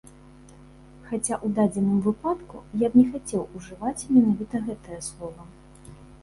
Хаця ў дадзены выпадку я б не хацеў ужываць менавіта гэтае слова.